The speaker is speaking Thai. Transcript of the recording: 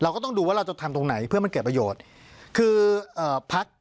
ก็ต้องดูว่าเราจะทำตรงไหนเพื่อมันเกิดประโยชน์คือเอ่อพัก